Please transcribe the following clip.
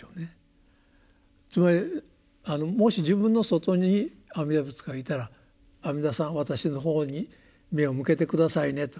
つまりもし自分の外に阿弥陀仏がいたら「阿弥陀さん私の方に目を向けて下さいね」と。